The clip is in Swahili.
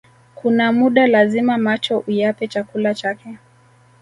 Kuna muda lazima macho uyape chakula chake